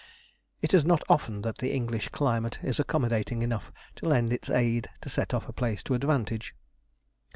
It is not often that the English climate is accommodating enough to lend its aid to set off a place to advantage.